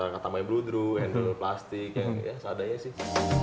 kita tambahin bluedroo handle plastik ya seadanya sih